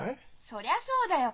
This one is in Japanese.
そりゃそうだよ。